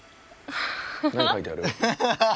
何書いてある？